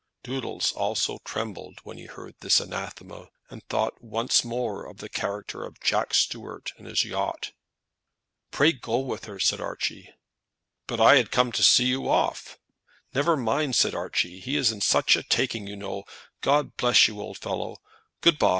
Doodles also trembled when he heard this anathema, and thought once more of the character of Jack Stuart and his yacht. "Pray go with her," said Archie. "But I had come to see you off." "Never mind," said Archie. "He is in such a taking, you know. God bless you, old fellow; good by!